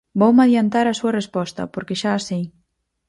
Voume adiantar á súa resposta, porque xa a sei.